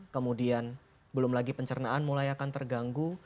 kemudian belum lagi pencernaan mulai akan terganggu